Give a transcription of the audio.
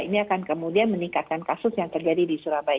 ini akan kemudian meningkatkan kasus yang terjadi di surabaya